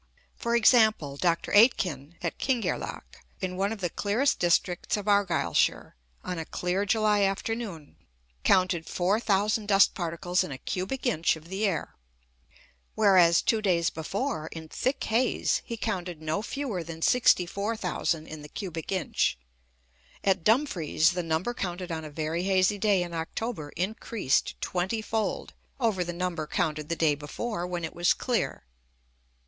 For example, Dr. Aitken, at Kingairloch, in one of the clearest districts of Argyleshire, on a clear July afternoon, counted 4000 dust particles in a cubic inch of the air; whereas, two days before, in thick haze, he counted no fewer than 64,000 in the cubic inch. At Dumfries the number counted on a very hazy day in October increased twenty fold over the number counted the day before, when it was clear.